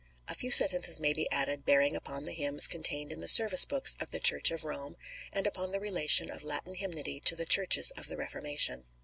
A few sentences may be added bearing upon the hymns contained in the service books of the Church of Rome, and upon the relation of Latin hymnody to the Churches of the Reformation.